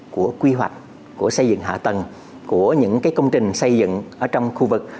của quy hoạch của xây dựng hạ tầng của những công trình xây dựng ở trong khu vực